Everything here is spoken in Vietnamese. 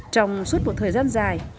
trong suốt một thời gian dài